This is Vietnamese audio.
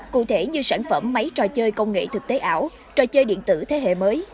cụ thể như sản phẩm máy trò chơi công nghệ thực tế ảo trò chơi điện tử thế hệ mới